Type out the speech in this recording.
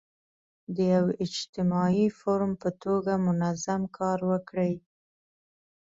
د یو اجتماعي فورم په توګه منظم کار وکړي.